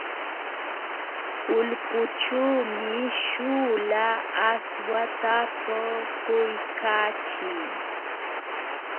Ulpućhuumi śhuula aswata puquykaachii.